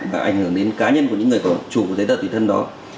và ảnh hưởng đến cá nhân của những người có chủ giấy tờ tùy thân đó